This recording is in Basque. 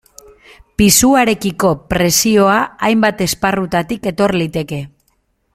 Pisuarekiko presioa hainbat esparrutatik etor liteke.